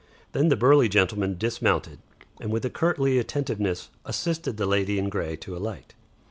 Then the burly gentleman dismounted, and with a courtly attentiveness assisted the lady in grey to alight.